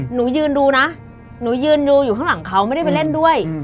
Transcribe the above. หนูยืนดูนะหนูยืนดูอยู่ข้างหลังเขาไม่ได้ไปเล่นด้วย